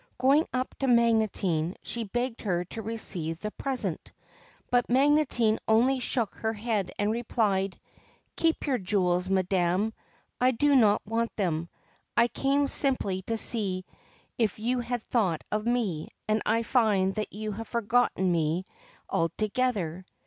Going up to Magotine, she begged her to receive the present. But Magotine only shook her head and replied :' Keep your jewels, madam, I do not want them. I came simply to see if you had thought of me, and I find that you have forgotten me altogether.'